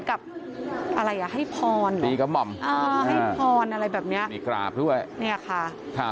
อะไรเหรอให้พรเหรออ่าให้พรอะไรแบบนี้นี่ค่ะ